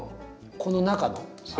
この中の？